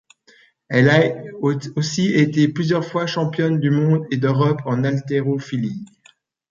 Elle a aussi été plusieurs fois championne du monde et d'Europe en haltérophilie.